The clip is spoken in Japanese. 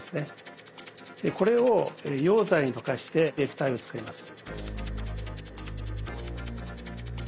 これを溶剤に溶かして液体を作ります。